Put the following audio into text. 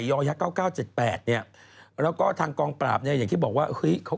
แล้วก็ทางกองปราบเนี่ยอย่างที่บอกว่า